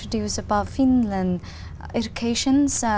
đặc biệt là